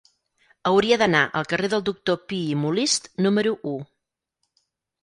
Hauria d'anar al carrer del Doctor Pi i Molist número u.